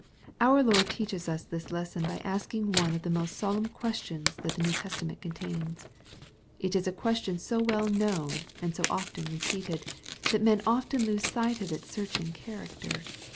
Our Lord teaches this lesson by asking one of the most solemn questions that the New Testament contains. It is a question so well known, and so often repeated, that people often lose sight of its searching character.